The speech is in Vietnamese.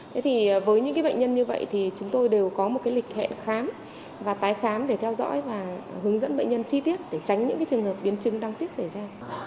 thế thì với những cái bệnh nhân như vậy thì chúng tôi đều có một cái lịch hẹn khám và tái khám để theo dõi và hướng dẫn bệnh nhân chi tiết để tránh những cái trường hợp biến chứng đang tiết xảy ra